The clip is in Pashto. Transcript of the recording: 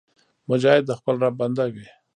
مجاهد د خپل رب بنده وي.